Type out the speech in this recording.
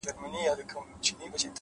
پوهه د ذهن بندې لارې خلاصوي؛